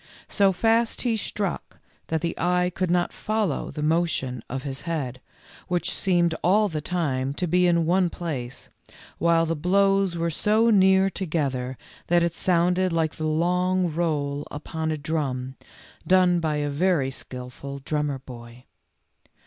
So fast he struck that the eye could not follow the motion of his head, which seemed all the time to be in one place, while the blows were so near together that it sounded like the long roll upon a drum, done by a very skilful drummer boy.